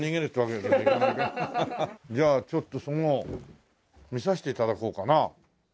じゃあちょっとその見させて頂こうかな。